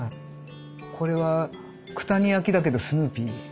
これは九谷焼だけどスヌーピー。